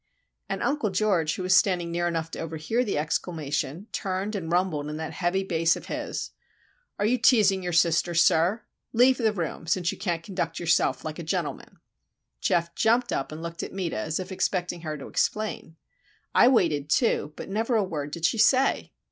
And Uncle George, who was standing near enough to overhear the exclamation, turned and rumbled in that heavy bass of his,—"Are you teasing your sister, sir? Leave the room;—since you can't conduct yourself like a gentleman." Geof jumped up and looked at Meta, as if expecting her to explain; I waited, too; but never a word did she say.